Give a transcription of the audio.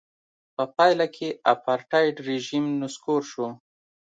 په پایله کې اپارټایډ رژیم نسکور شو.